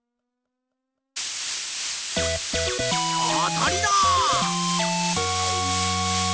あたりだ！